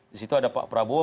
disitu ada pak prabowo